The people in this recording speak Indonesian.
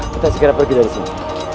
kita segera pergi dari sini